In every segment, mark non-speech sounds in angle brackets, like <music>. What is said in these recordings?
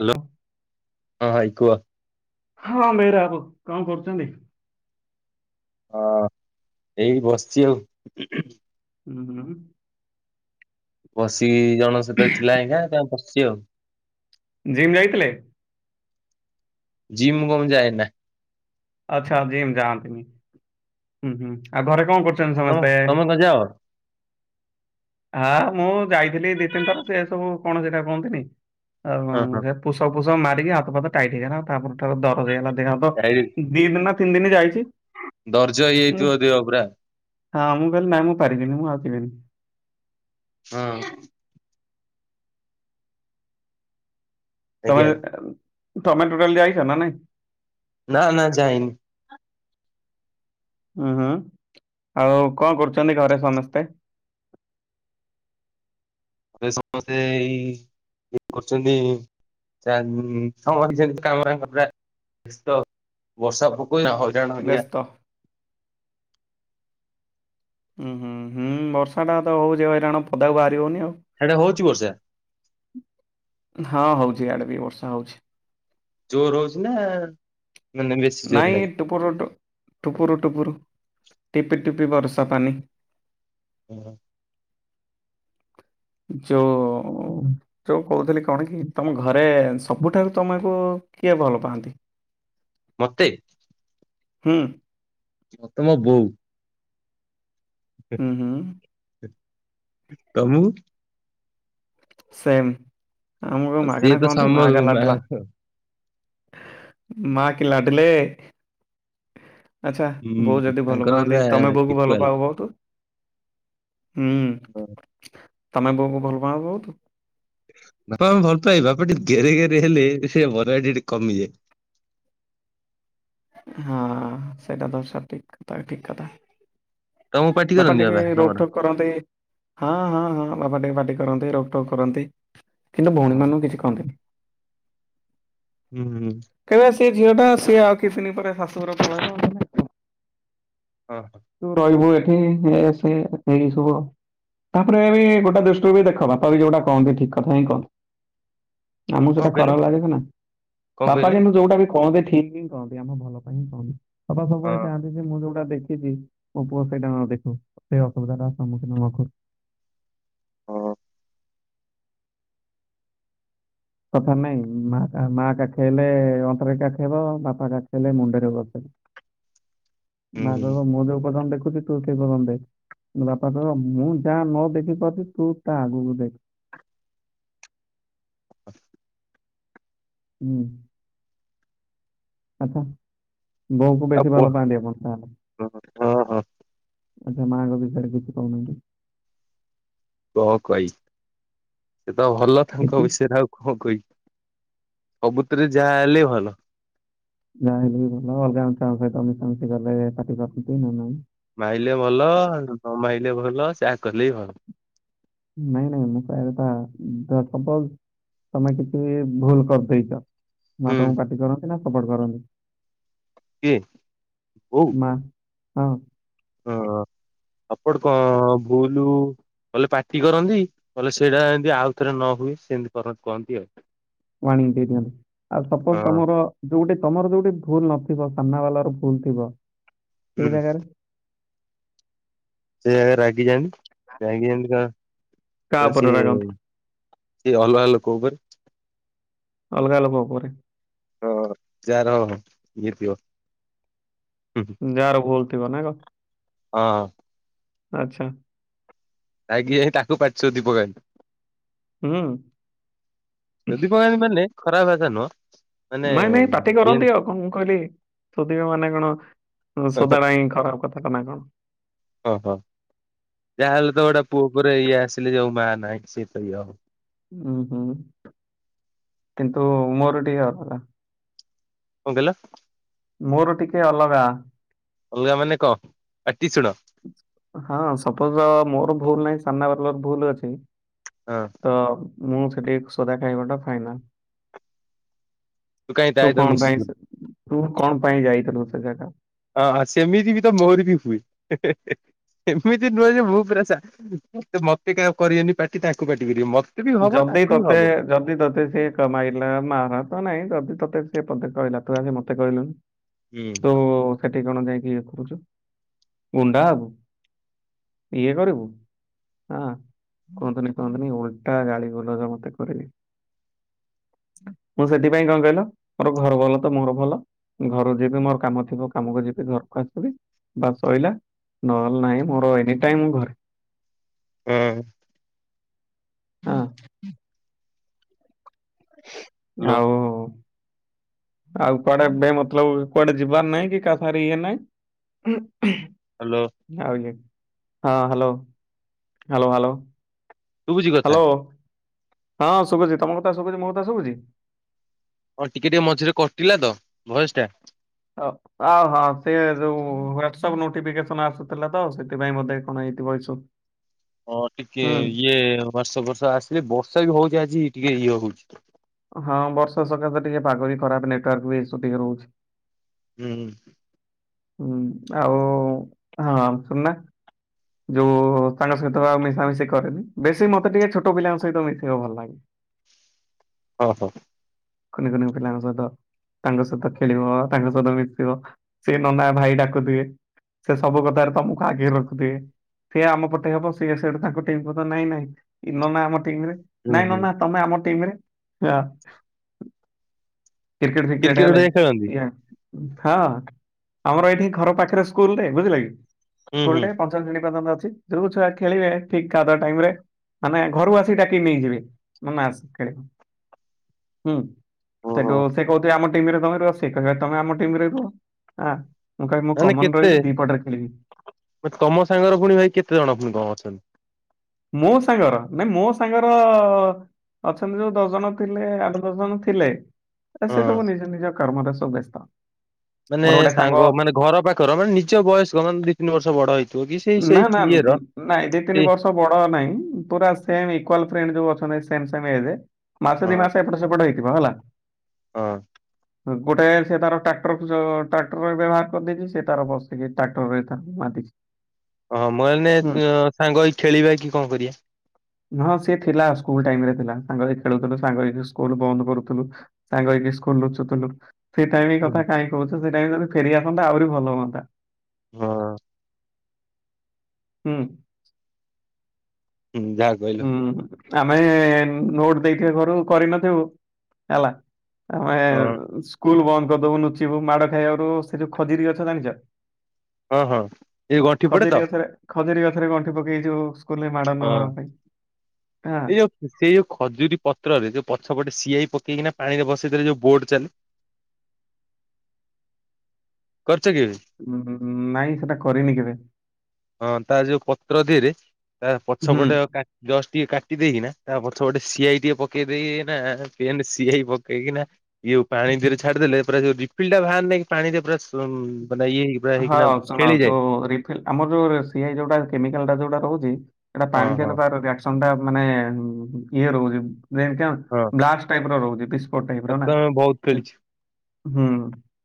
Hello ହଁ ଭାଈ କୁହ? ହଁ ବେହେରା ବାବୁ କଣ କରୁଛନ୍ତି? ହଁ ଏଇ ବସିଚି ଆଉ। ଉଁ ହୁଁ। ବସିକି ଜଣକ ସହିତ ଥିଲା ଆଜ୍ଞା ତାପ ବସିଛି ଆଉ। ଜିମ୍ ଯାଇଥିଲେ? ଜିମ୍ ମୁଁ କମ ଯାଏନା। ଆଚ୍ଛା ଜିମ୍ ଯାଆନ୍ତିନି। ହୁଁ ହୁଁ ଆଉ ଘରେ କଣ କରୁଛନ୍ତି ତମ ସମସ୍ତେ? ତମେ କଣ ଯାଅ ହଁ ହଁ ମୁଁ ଯାଇଥିଲି ଦି ତିନି ଥର ସେ ସବୁ କଣ ସେଇଟା କୁହନ୍ତିନି ଆଉ ହଁ ହଁ। ପୁସପ୍ ଫୁସପ୍ ମାରିକି ହାତଫାତ ଟାଇଟ୍ ହେଇଗଲା ତାପର ଠୁ ଦରଜ ହେଇଗଲା ଦେହ ହାତ। ଯାଇନି ଦି ଦିନ ନା ତିନି ଦିନ ଯାଇଛି। ଦର୍ଜ ମୁଁ ହେଇଯାଇଥିବ ଦେହ ପୁରା। ହଁ ମୁଁ କହିଲି ନାଁ ମୁଁ ପାରିବିନି ମୁଁ ଆଉ ଯିବିନି। ହଁ। ଆଜ୍ଞା ତମେ ତମେ ଟୋଟାଲି ଯାଇଛ ନା ନାଇଁ? ନା ନା ଯାଇନି। ହୁଁ ହୁଁ ଆଉ କଣ କରୁଛନ୍ତି ଘରେ ସମସ୍ତେ? ଘରେ ସମସ୍ତେ ଏଇ ଇଏ କରୁଛନ୍ତି। <unintelligible> ବର୍ଷା ପୋକ ଏଇନା ହ ଜଣ ହେରିକା। ବ୍ୟସ୍ତ। ଉୁଁ ହୁଁ ହୁଁ ବର୍ଷାଟା ତ ହଉଛି ହଇରାଣ ପଦାକୁ ବାହାରି ହଉନି ଆଉ। ହେଡେ ହଉଛି ବର୍ଷା? ହଁ ହଉଛି ଏଆଡେ ବି ବର୍ଷା ହଉଛି। ଜୋରେ ହଉଛିନା ନା ନା ବେଶୀ ଜୋରେ ନାଇଁ? ଟୁପୁରୁ ଟୁପ୍ ଟୁପୁରୁ ଟିପି ଟିପି ବର୍ଷା ପାଣି। ହୁଁ। ଯୋ ଯୋଉ କହୁଥିଲି କଣ କି ତମ ଘରେ ସବୁଠାରୁ ତମକୁ କିଏ ଭଲ ପାଆନ୍ତି? ମୋତେ? ହୁଁ। ମତେ ମ ବୋଉ। ହୁଁ ହୁଁ ତମୁକୁ। ସେମ୍ ଆମକୁ ଆଉ ସିଏ ମାଗଣା ତ କହନ୍ତି ମାକା ଲାଡାଲା। ସମ ମା କି ଲାଡ଼ଲେ। ଆଚ୍ଛା ବୋଉ ହୁଁ ଯଦି ଭଲ ତାଙ୍କର ପାଆନ୍ତି ପୁରା ତମେ ବୋଉକୁ ଭଲ ପାଅ ବହୁତ ହୁଁ। <unintelligible> ତମେ ବୋଉଙ୍କୁ ଭଲ ପାଅ ବହୁତୁ। ବାପା ଆମେ ଭଲ ପାଇବା ଟିକେ ଗେରେ ଗେରେ ହେଲେ ସେ ବର ଟିକେ କମିଯାଏ। ହଁ ସେଇଟା ତ ସ ଠିକ୍ ଉପାୟ ଠିକ୍‌ କଥା। ତମକୁ ପାଟି ବାପା କରନ୍ତି ଟିକେ ବାବା ରୋକ ତମର? ଠକ୍ କରନ୍ତି ହଁ ହଁ ହଁ ବାପା ଟିକେ ପାଟି କରନ୍ତି ରୋକ ଠକ୍ କରନ୍ତି। କିନ୍ତୁ ଭଉଣୀ ହଁ ମାନଙ୍କୁ କିଛି କହନ୍ତିନି। ହୁଁ ହୁଁ। କହବେ ସେ ଝିଅ ଟା ସି ଆଉ କିଛିିଦିନି ପରେ ଶାଶୁଘର ପଳେଇବ। ହଁ। ତୁ ରହିବୁ ଏଠି ହେ ସେ ଏଇସବୁ। ତାପରେ ବି ଗୋଟେ ଦୃଷ୍ଟି ଦେଖ ବାପା ବି ଯୋଉଟା କହନ୍ତି ଠିକ୍‌ କଥା ହିଁ କହନ୍ତି। ଆମକୁ କଣ ସେଟା କହିଲେ ଖରାପ ଲାଗିଛି ନା କଣ ବାପା କହିଲେ? କିନ୍ତୁ ଯୋଉଟା ବି କହନ୍ତି ଠିକ୍‌ ହିଁ କହନ୍ତି ଆମ ଭଲ ପାଇଁ ହଁ କହନ୍ତି। ବାପା ହଁ ସବୁବେଳେ ଚାହାନ୍ତି ଯେ ମୁଁ ଯୋଉଟା ଦେଖିଛି ମୋ ପୁଅ ସେଇଟା ନ ଦେଖୁ ସେଇ ଅସୁବିଧା ଟା ସମ୍ମୁଖୀନ ନହୋଉ। ହଁ। କଥା ନାଇଁ ମା କାଖେଇଲେ ଅଣ୍ଟାରେ କାଖେଇବ ବାପା କାଖେଇଲେ ମୁଣ୍ଡରେ ବସ। ହୁଁ ମା ହୁଁ କହିବ ମୁଁ ଯୋଉ ପ୍ରଥମ ଦେଖୁଚି। ତୁ ସେ ପାଖ ଦେଖେ ବାପା ତର ମୁଁ ଯାହା ନ ଦେଖିପାରୁଛିି ତୁ ତା ଆଗକୁ ଦେଖ। <unintelligible> ହୁଁ। ଆହା ବୋଉ କୁ ଆଉ ବେଶୀ କୁହ ଭଲ ପାଆନ୍ତି ଆପଣ ତାହାଲେ। ହଁ ହଁ ଆଚ୍ଛା ମାଙ୍କ ବିଷୟରେ କିଛି କହୁନାହାନ୍ତି। କଣ କହି ସେ ତ ଭଲ ତାଙ୍କ କିଛି ବିଷୟରେ ଆଉ କଣ କି ସବୁତରେ ଯାହା ହେଲେ ଭଲ। ଯାହା ହେଲେ ବି ଭଲ ଅଲଗା ଛୁଆ ଙ୍କ ସହିତ ମିଶାମିଶି ଗଲେ ପାଟିକୁ ଆସନ୍ତି ନା ନାଇଁ। ମାଇଲେ ଭଲ ନ ମାଇଲେ ଭଲ ଯାହା କଲେ ବି ଭଲ। ନାଇଁ ନାଇଁ ମୁଁ କହିବା କଥା ସପୋଜ ତମେ କିଛି ଭୁଲ କରିଦେଇଛ। ମା ହୁଁ ତମକୁ ପାଟି କରନ୍ତି ନା ସପୋର୍ଟ କରନ୍ତି। କିଏ ବୋଉ। ମା ହଁ। ସପଟ କଣ ଭୁଲୁ କଲେ ପାଟି କରନ୍ତି କହଲେ ସେଇଟା ଏମିତି ଆଉ ଥରେ ନ ହୁଏ ସେମିତି କର କୁହନ୍ତି ଆଉ। ୱାନିଙ୍ଗ ଦେଇ ଦିଅନ୍ତି ଆଉ ସପୋଜ ହଁ ତମର ଯୋଉଠି ତମର ଯୋଉଠି ଭୁଲ ନଥିବ ସାମ୍ନା ବାଲା ର ଭୁଲ ଥିବ ସେଇ ହୁଁ ଜାଗାରେ ସେ ରାଗି ଯାଆନ୍ତି ରାଗିଯାନ୍ତି କାହା ତ ଉପରେ ସିଏ ରାଗନ୍ତି କିଏ ଅଲଗା ଲୋକ ଉପରେ ଅଲଗା ଲୋକ ଉପରେ। ହଁ ଯାର ହଁ ହଁ ଇଏ ଥିବ। ଯାହାର ଭଲ ଥିବ ନା କଁ? ହଁ। ଆଚ୍ଛା। <unintelligible> ହୁଁ। ଶୋଧିପକାନ୍ତି ମାନେ ଖରାପ ଭାଷା ନୁହଁ। ମାନେ ନାଇଁ ନାଇଁ ପାଟି ଇଏ କରନ୍ତି ଆଉ କଣ ମୁଁ କହିଲି ସୋଧିବା ମାନେ କଣ ସୋଦାଟା ହିଁ ଖରାପ କଥା ନା କଣ? ଓ ହୋ। ଯାହାହେଲେ ତ ଗୋଟେ ପୁଅ ଉପରେ ଇଏ ଆସିଲେ। ଯଉ ମା ନାହିଁ। ସିଏ ତ ଇଏ ହବ। ଉଁ ହୁଁ କିନ୍ତୁ ମୋର ଟିକେ ଅଲଗା। କଁ କହିଲ? ମୋର ଟିକେ ଅଲଗା। ଅଲଗା ମାନେ କଣ? ପାଟି ଶୁଣ। ହଁ ସପୋଜ ମୋର ଭୁଲ ନାହିଁ। ସାମ୍ନା ବାଲର ଭୁଲ ଅଛି। ହଁ। ହଁ ମୁଁ ସେଠି ସୋଦା ଖାଇବାଟା ଫାଇନାଲ। କାଇଁ <inaudible> ତା ତୁ ସହିତ କଣ ପାଇଁ ମିଶୁଛୁ ସେ ତୁ କଣପାଇଁ ଯାଇଥିଲୁ ସେ ଜାଗା? ହଁ ହଁ ସେମିତି ବି ତ ମୋର ବି ହୁଏ। ଏମିତି ନୁହେଁ ଯେ ମୁଁ ପୁରା ସା ମତେ ମତେ କାଇଁ କରିବେନି ପାଟି। ତାଙ୍କୁ ପାଟି କରିଵେ। ମତେ ଯେବେ ବି ହବ ଯଦି ତାକୁ ବି ତତେ ହବ। ଯଦି ତୋତେ ସିଏ କ ମାଇଲା। ମହାର ତ ନାଇଁ ଯଦି ତୋତେ ସେ ପଦେ କହିଲା ତୁ ଆଗେ ମତେ କହିଲୁନି। ହୁଁ। ତୁ ସେଠି କଣ ଯାଇକି ଉଠୁଛୁ। ଗୁଣ୍ଡା ହବୁ? ଇଏ କରିବୁ। ହଁ କୁହନ୍ତୁନି କୁହନ୍ତୁନି ଓଲଟା ଗାଳିଗୁଲଜ ମତେ କରିବେ। ମୁଁ ସେଥିପାଇଁ କଣ କହିଲ? ମୋର ଘର ଭଲ ତ ମୋର ଭଲ। ଘର ଯିବି ମୋର କାମ ଥିବ କାମକୁ ଯିବି ଘରକୁ ଆସିବି। ବାସ ଶଇଲା। ନହେଲେ ନାଇଁ ମୋର ଏନି ଟାଇମ ଘରେ। ହୁଁ। ହଁ। ଆଉ ଆଉ କୁଆଡ଼େ ଏବେ ମତଲବ କୁଆଡ଼େ ଯିବାର ନାହିଁ। କିକା ସାଙ୍ଗରେ ଇଏ ନାଇଁ। ଉଁ ହୁଁ। ହ୍ୟାଲୋ? ଆଉନି, ହଁ ହ୍ୟାଲୋ ହ୍ୟାଲୋ ହ୍ୟାଲୋ? ଶୁଭୁଛି କଥା ହ୍ୟାଲୋ, ହଁ ଶୁଭୁଛି ତମ କଥା ଶୁଭୁଛି ମୋ କଥା ଶୁଭୁଛି? ହଁ ଟିକେ ଟିକେ ମଝିରେ କଟିଲା ତ ଭଏସଟା। ଓ। ଓହୋ ସେ ଯୋଉ ହ୍ୱାଟ୍ସଅପ୍ ନୋଟିଫିକେସନ ଆସୁଥିଲା ତ। ସେଥିପାଇଁ ବୋଧେ କଣ ହେଇଥିବ ଏସବୁ। <inaudible> ହଁ ଟିକେ ଇଏ ବର୍ଷା ଫର୍ଷା ଆସିଲେ ବର୍ଷା ବି ହଉଛି ଆଜି ଟିକେ ଇଏ ହଉଛି। ହଁ ବର୍ଷା ସକାସେ ଟିକେ ପାଗ ବି ଖରାପ। ନେଟୱାର୍କ ବି ଈସୁ ଟିକେ ରହୁଛି ହୁଁ। ହୁଁ ଆଉ ହଁ ଶୁଣୁନା। ଯୋଉ ସାଙ୍ଗ ସହିତ ମିଶାମିଶି କରେନି। ବେଶୀ ମତେ ଟିକେ ଛୋଟ ପିଲାଙ୍କ ସହିତ ମିଶିବାକୁ ଭଲ ଲାଗେ। ଓଁ ହୋ। କୁନି କୁନି ପିଲାଙ୍କ ସହିତ। ତାଙ୍କ ସହିତ ଖେଳିବ, ତାଙ୍କ ସହିତ ମିଶିବ, ସିଏ ନନା, ଭାଇ ଡାକୁଥିବେ। ସେ ସବୁ କଥାରେ ତମକୁ ଆଗରେ ରଖୁଥିବେ। ସେ ଆମ ପଟେ ହବ। ସିଏ ସେଇଠୁ ତାଙ୍କ ଟିମ କହୁଥିବ ନାଇଁ ନାଇଁ ନନା ଆମ ଟିମରେ। ହୁଁ ନାଇଁ ହୁଁ ନନା ତମେ ଆମ ଟିମରେ। କ୍ରିକେଟ ଫିକେଟ ହେଲେ ହେରିକା ଖେଳନ୍ତି ହଁ ଆମର ଏଇଠି ଘର ପାଖରେ ସ୍କୁଲ ଟେ ବୁଝିଲେ କି? ହୁଁ ସ୍କୁଲ ହୁଁ ଟେ ପ <unintelligible> ଅଛି ଯୋଉ ଛୁଆ ଖେଳିବେ ଠିକ <unintelligible> ଟାଇମ ରେ। ମାନେ ଘରୁ ଆସି ଡାକି ନେଇଯିବେ। ନନା ଆସେ ଖେଳି ହୁଁ, ଓହୋ। ସେଠୁ ସେ କହୁିଥିବେ ଆମ ଟିମରେ ତମେ ରୁହ। ସେ କହିବ ତମେ ଆମ ଟିମ ରେ ରୁହ। ତାପରେ ମୁଁ ମାନେ କମନ କେତେ ରହିବି ଦିପଟରେ ଖେଳିବି। ତମ ସାଙ୍ଗର ପୁଣି ଭାଇ କେତେ ଜଣ ପୁଣି କଣ ଅଛନ୍ତି? ମୋ ସାଙ୍ଗର? ନା ମୋ ସାଙ୍ଗର ଅଛନ୍ତି ଯୋଉ ଦଶ ଜଣ ଥିଲେ, ଆଠ ଦଶ ଜଣ ଥିଲେ, ହଁ। ସେ ସବୁ ନିଜ ନିଜ କର୍ମରେ ସବୁ ବ୍ୟସ୍ତ। ମାନେ ମୋର ଗୋଟେ ସାଙ୍ଗ ମାନେ ଘର ପାଖର। ମାନେ ନିଜ ବୟସ୍କ ମାନେ ଦି ତିନି ବର୍ଷ ବଡ ହେଇଥିବ କି ସେଇ ନା ସେଇ ନା ଇଏର। ନାଇଁ ଦି ତିନି ସେଇ ବର୍ଷ ବଡ ନାଇଁ। ପୁରା ସେମ ଇକୁଆଲ ଫ୍ରେଣ୍ଡ ଯୋଉ ଅଛନ୍ତି ସେମ ସେମ ଏଜେ ମାସେ ହଁ ଦି ମାସେ ଏପଟ ସେପଟ ହେଇଥିବ ହେଲା। ହଁ ଗୋଟେ ସେ ତାର ଟ୍ରାକ୍ଟର ଚ ଟ୍ରାକ୍ଟର ବ୍ୟବହାର କରିଦେଇଛି ସେ ତାର ବସିକି ଟ୍ରାକ୍ଟର ରେ ମାତିଛି। ହଁ ମୋ ଏନେ ହୁଁ ସାଙ୍ଗ ହେଇ ଖେଳିବା କି କଣ କରିବା? ହଁ ସିଏ ଥିଲା ସ୍କୁଲ ଟାଇମ ରେ ଥିଲା। ସାଙ୍ଗ ଖେଳୁଥିଲୁ ସାଙ୍ଗ ହେଇକି ସ୍କୁଲ ବନ୍ଦ କରୁଥିଲୁ। ସାଙ୍ଗ ହେଇକି ସ୍କୁଲ ଲୁଛୁ ଥିଲୁ। ସେ ଟାଇମ ହୁଁ କଥା କାହିଁ କହୁଛୁ, ସେ ଟାଇମ ଯଦି ଫେରିଆସନ୍ତା ଆହୁରି ଭଲ ହୁଅନ୍ତା। ହଁ। ହୁଁ। ହୁଁ ଜାହା କହିଲୁ। ଆମେ ନୋଟ ଦେଇଥିବେ ଘରକୁ କରିନଥିବୁ ହେଲା। ଆମେ ହଁ ସ୍କୁଲ ବନ୍ଦ କରିଦବୁ ନୁଚିବୁ ମାଡ ଖାଇବାରୁ। ସେ ଯୋଉ ଖଜୁରି ଗଛ ଜାଣିଛ? ହଁ ହଁ ଏଇ ଗଣ୍ଠି ପଡେ ତ ଖଜୁରୀ ଗଛରେ, ଖଜୁରି ଗଛରେ ଗଣ୍ଠି ପକେଇ <unintelligible> କଲେ ମାଡ଼ ନହବା ପାଇଁ। - ହଁ <unintelligible> ସେଇ ଯୋଉ ଖଜୁରୀ ପତ୍ରରେ ଯୋଉ ପଛପଟେ ସିଆଇ ପକେଇକିନା ପାଣିରେ ଭସେଇ ଦେଲେ ଯଉ ବୋର୍ଡ ଚାଲେ। କରିଛ କେବେ? ନାଇଁ ସେଟା କରିନି କେବେ? ହଁ ତା ଯୋଉ ପତ୍ର ଧିଏରେ ତା ହୁଁ ପଛପଟେ ଅ କା ଜଷ୍ଟ ଟିକେ କାଟି ଦେଇେଇକିନା ତା ପଛ ପଟେ ସିଆଇ ଟିକେ ପକେଇ ଦେଇକି ନା ପେନ୍ ସିଆଇ ପକେଇକିନା ଇଆକୁ ପାଣି ଧିଏରେ ଛାଡିଦେଲେ ପୁରା ଯୋଉ ରିଫିଲ୍ ଟା ବାହାରେ ନକି ପାଣି ପୁରା ମାନେ ଇଏ ହେଇକି ପୁରା ହଁ ହେଇକିନା ଶୁଣୁ ଖେଳିଯାଏ <unintelligible> ଆମର ଯୋଉ ସିଆଇ ଯୋଉଟା କେମିକାଲ ଟା ଯୋଉଟା ରହୁଛି ସେଇଟା ହଁ ପାଣି ହଁ <unintelligible> ଥଣ୍ଡା ମାନେ ଇଏ ରହୁଛି। <unintelligible> ହଁ ଟାଇପର ରହୁଛି। ଟାଇପ୍ ର ନା ତାକୁ ଆମେ ବହୁତ ସେ ଖେଳିଛୁ। ହୁଁ,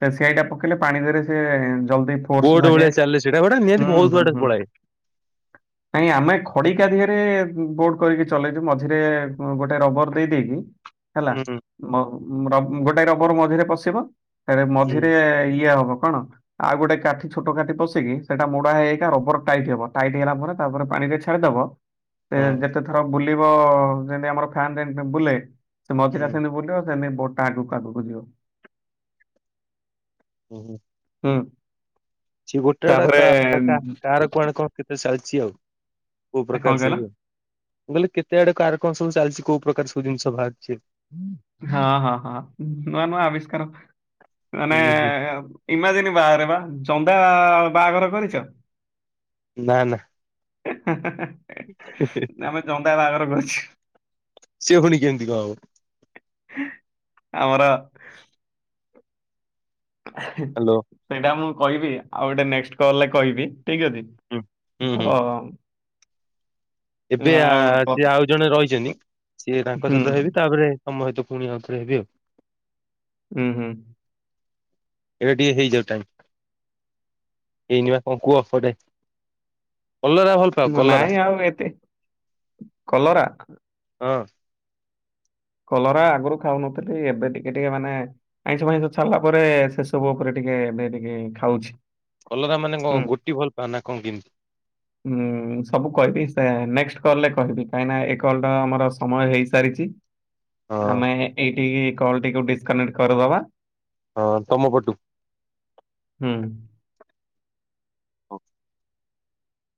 ତ ସେଇଟା ପକେଇଲେ ପାଣି ଦେହରେ ସିଏ ଜଲଦି ଫୋର୍ସ ବୋଟ ଲାଗେ ଭଳିଆ ଚାଲେ ସେଇଟା ଗୋଟେ ନିହାତି ହୁଁ ବହୁତ ହୁଁ ବାଟ ହୁଁ। ପଳାଏ। ନାଇଁ ଆମେ ଖଡିକା ଦେହରେ ବୋର୍ଟ କରିକି ଚଲେଇଛୁ ମଝିରେ ଗୋଟେ ରବର ଦେଇ ଦେଇ ଦେଇକି। ହେଲା। ହୁଁ ମ ର ଗୋଟାଏ ରବର ମଝିରେ ପଶିବ। ହୁଁ ମଝିରେ ଇଏ ହବ କଣ? ଆଉ ଗୋଟେ କାଠି ଛୋଟ କାଠି ପଶିକି ସେଟା ମୋଡା ହେଇକା ରବର ଟାଇଟ୍ ହେବ। ଟାଇଟ୍ ହେଲା ପରେ ତାପରେ ପାଣିରେ ଛାଡିଦବ, ସେ ହଁ ଯେତେ ଥର ବୁଲିବ ଯେମିତି ଆମର ଫ୍ୟାନ ଯେମିତି ବୁଲେ। ସେ ମଝିରେ ହୁଁ ସେମିତି ବୁଲିବ। ସେମତି ବୋର୍ଟ ଟା ଆଗକୁ ଆଗକୁ ଯିବ। ହୁଁ, ହୁଁ। ହୁଁ। ସିଏ ଗୋଟା ଗୋଟା ତାପରେ କାହା କାହାର କୁଆଡେ କଣ କେତେ ଚାଲିଛି ଆଉ। କୋଉ କଣ ପ୍ରକାର କହିଲ ସବୁ ଆଉ। ମୁଁ କହିଲି କେତେ ଆଡେ କାହାର କଣ ସବୁ ଚାଲିଛି କୋଉ ପ୍ରକାର ସବୁ ଜିନିଷ ବାହାରିଛି। ହଁ ହଁ ହଁ, ନୂଆ ନୂଆ ଆବିଷ୍କାର। ମାନେ ହୁଁ ହୁଁ। ଇମାଜିନ୍ ବାହାରେ ବା। ଜନ୍ଦା ବାହାଘର କରିଛ। ନା ନା। ହା ହା। ହ। ଜନ୍ଦା ବାହାଘର କରିଛି। ସିଏ ଫୁଣି କେମିତି କଣ ହବ? ଆମର ହ। ହ୍ୟାଲୋ। ସେଇଟା ମୁଁ କହିବି। ଆଉ ଗୋଟେ ନେକ୍ସଟ କଲରେ କହିବି ଠିକ ଅଛି। ହୁଁ ହୁଁ ହୁଁ ତ ଏବେ ଆ ଆଉ ପ- ସିଏ ଆଉ ଜଣେ ରହିଛନ୍ତି ସିଏ ତାଙ୍କ ହୁଁ ସହିତ ହେବି ତାପରେ ତମ ସହିତ ପୁଣି ଆଉ ଥରେ ହେବି ଆଉ। ହୁଁ, ହୁଁ। ଏଇନା ଟିକେ ହେଇଯାଉ ଟାଇମ୍। ହେଇନିବା କଣ କୁହ ଗୋଟେ। କଲରା ଭଲ ପାଅ କଲରା ନାଇଁ ଆଉ ଏତେ। କଲରା? ହଁ। କଲରା ଆଗରୁ ଖାଉନଥିଲି। ଏବେ ଟିକେ ଟିକେ ମାନେ ଆଇଁଷ ଫାଇଁଷ ଛାଡ଼ିଲା ପରେ ସେସବୁ ଉପରେ ଟିକେ ଏବେ ଟିକେ ଖାଉଛି। କଲରା ମାନେ ହୁଁ କଣ ଗୋଟି ଭଲ ପାଅ ନା କଣ କେମତି? ଉଁ ସବୁ କହିବି, ସେ ନେକ୍ସଟ କଲ୍ ରେ କହିବି କାହିଁକିନା ଏ କଲ୍ ର ଆମର ସମୟ ହେଇସାରିଛି। ହଁ ଆମେ ଏଇଠି ଏଇ କଲ୍ ଟିକୁ ଡିସକନେକ୍ଟ୍ କରିଦବା। ହଁ ତମ ପଟୁ। ହୁଁ। ଓ।